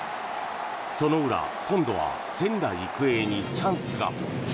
その裏、今度は仙台育英にチャンスが。